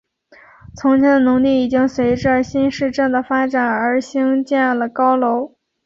从前的农地已经随着新市镇的发展而兴建了高楼。